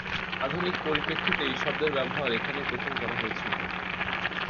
আধুনিক পরিপ্রেক্ষিতে এই শব্দের ব্যবহার এখানেই প্রথম করা হয়েছিল।